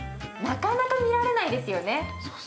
なかなか見られないですよね。